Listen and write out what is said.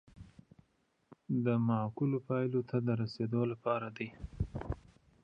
دا معقولو پایلو ته د رسیدو لپاره دی.